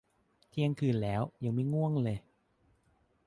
เที่ยงคืนแล้ว ยังไม่ง่วงเลย